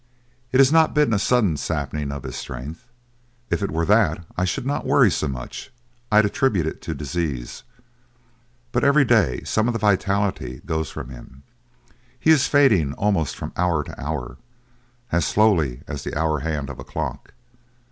It has not been a sudden sapping of his strength. If it were that I should not worry so much; I'd attribute it to disease. But every day something of vitality goes from him. He is fading almost from hour to hour, as slowly as the hour hand of a clock.